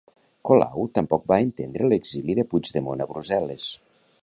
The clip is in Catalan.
Colau tampoc va entendre l'exili de Puigdemont a Brussel·les.